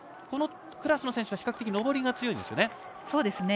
このクラスの選手は比較的上りが強いんですね。